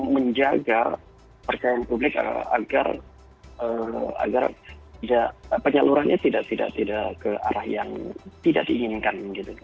menjaga kepercayaan publik agar penyalurannya tidak ke arah yang tidak diinginkan